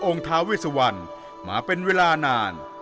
องค์ท้าเวชวรมาเป็นเวลานาน